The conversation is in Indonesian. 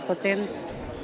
tidak ada yang perlu ditakutkan